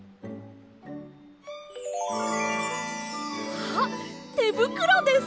あってぶくろです！